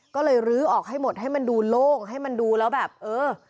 ก็เลยลื้อออกให้หมดให้มันดูโล่งให้มันดูแล้วแบบเออ